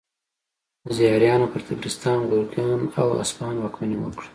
زیاریانو پر طبرستان، ګرګان او اصفهان واکمني وکړه.